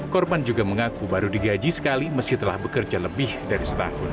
korban juga mengaku baru digaji sekali meski telah bekerja lebih dari setahun